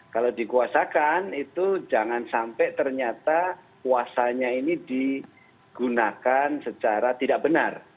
kalau dikuasakan itu jangan sampai ternyata kuasanya ini digunakan secara tidak benar